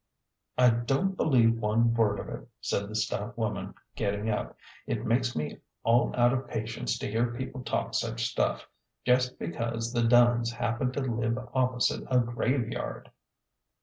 " I don't believe one word of it," said the stout woman, getting up. " It makes me all out of patience to hear peo ple talk such stuff, jest because the Dunns happen to live opposite a graveyard."